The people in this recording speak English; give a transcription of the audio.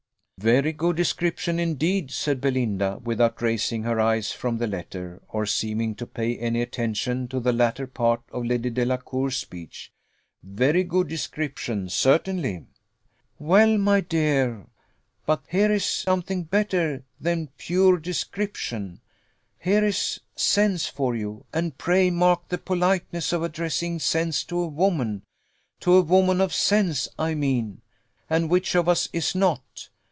"Very good description, indeed!" said Belinda, without raising her eyes from the letter, or seeming to pay any attention to the latter part of Lady Delacour's speech; "very good description, certainly!" "Well, my dear; but here is something better than pure description here is sense for you: and pray mark the politeness of addressing sense to a woman to a woman of sense, I mean and which of us is not?